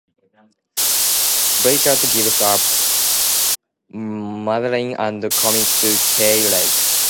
Bleichert gives up Madeleine and commits to Kay Lake.